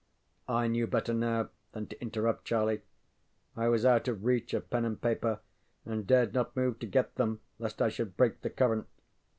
ŌĆØ I knew better now than to interrupt Charlie. I was out of reach of pen and paper, and dared not move to get them lest I should break the current.